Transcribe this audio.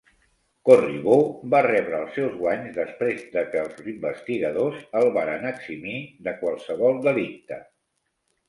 Corriveau va rebre els seus guanys després de que els investigadors el varen eximir de qualsevol delicte.